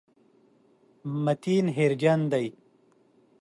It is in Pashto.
متین هېرجن دی.